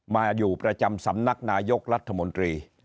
มาอยู่ประจำสำนักนายกรัฐมนตรี